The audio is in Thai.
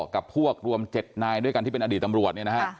กับพวกรวม๗นายด้วยกันที่เป็นอดีตตำรวจเนี่ยนะฮะ